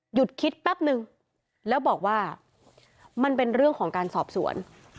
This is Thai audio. หยุดคิดแป๊บนึงแล้วบอกว่ามันเป็นเรื่องของการสอบสวน